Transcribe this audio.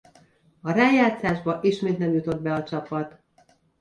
A rájátszásba ismét nem jutott be a csapat.